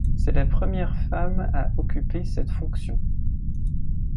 C'est la première femme à occuper cette fonction.